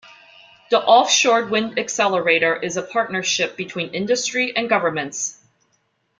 The Offshore Wind Accelerator is a partnership between industry and governments.